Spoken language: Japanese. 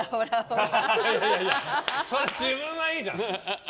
自分はいいじゃん。